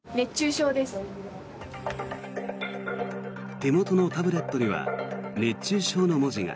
手元のタブレットには「熱中症」の文字が。